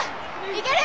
いける。